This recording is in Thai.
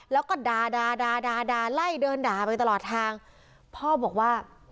แล้วก็ด่าด่าด่าไล่เดินด่าไปตลอดทางพ่อบอกว่า